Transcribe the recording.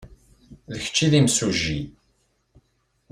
D kečč ay d imsujji.